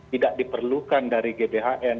tidak diperlukan dari gbhn